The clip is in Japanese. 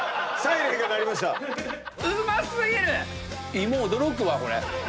胃も驚くわこれ。